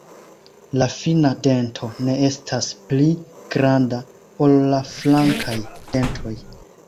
La fina dento ne estas pli granda ol la flankaj dentoj.